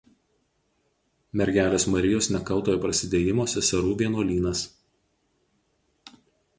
Mergelės Marijos Nekaltojo Prasidėjimo seserų vienuolynas.